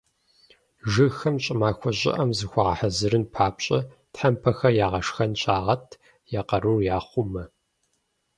Жыгхэм щӏымахуэ щӏыӏэм зыхуагъэхьэзырын папщӏэ, тхьэпмэхэр «ягъэшхэн» щагъэт, я къарур яхъумэ.